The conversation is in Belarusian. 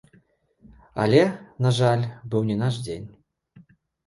Але, на жаль, быў не наш дзень.